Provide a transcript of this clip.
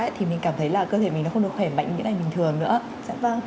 thì mình cảm thấy là cơ thể mình không được khỏe mạnh như ngày bình thường nữa